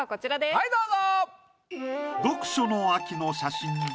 はいどうぞ！